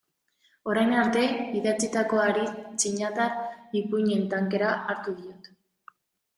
Orain arte idatzitakoari txinatar ipuin-en tankera hartu diot.